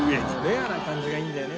レアな感じがいいんだよね。